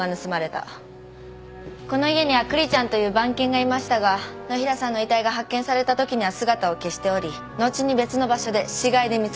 この家にはクリちゃんという番犬がいましたが野平さんの遺体が発見されたときには姿を消しており後に別の場所で死骸で見つかったんです。